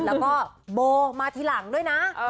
แล้วก็โบมาทีหลังด้วยนะ